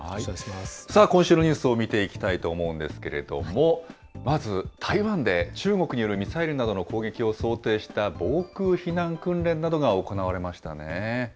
さあ、今週のニュースを見ていきたいと思うんですけれども、まず、台湾で中国によるミサイルなどの攻撃を想定した防空避難訓練などが行われましたね。